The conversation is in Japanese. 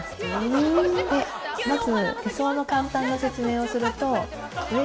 まず。